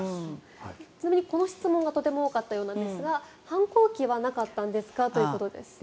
ちなみにこの質問がとても多かったようですが反抗期はなかったんですか？ということです。